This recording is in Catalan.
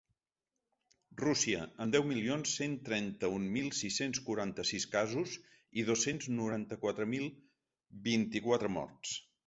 Rússia, amb deu milions cent trenta-un mil sis-cents quaranta-sis casos i dos-cents noranta-quatre mil vint-i-quatre morts.